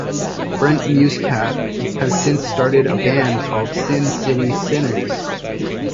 Brent Muscat has since started a band called Sin City Sinners.